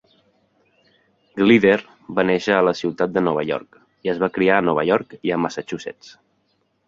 Glider va néixer a la ciutat de Nova York i es va criar a Nova York i a Massachusetts.